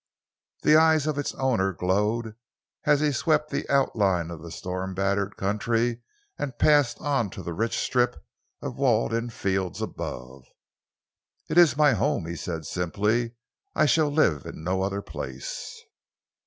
The eyes of its owner glowed as he swept the outline of the storm battered country and passed on to the rich strip of walled in fields above. "It is my home," he said simply. "I shall live in no other place.